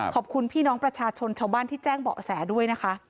ขอบคุณพี่น้องประชาชนชาวบ้านที่แจ้งเบาะแสด้วยนะคะ